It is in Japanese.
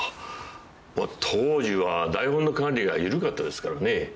当時は台本の管理が緩かったですからね。